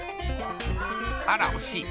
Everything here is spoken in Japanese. あらおしい。